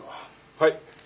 はい。